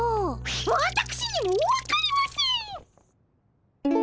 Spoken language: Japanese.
わたくしにも分かりません！